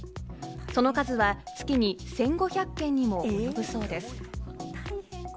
その数は月に１５００件にも及ぶそうです。